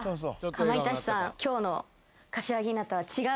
かまいたちさん。